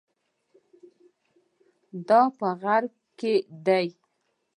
دا په غرب کې دي.